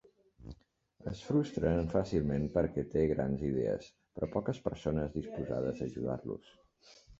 Es frustren fàcilment perquè té grans idees, però poques persones disposades a ajudar-los.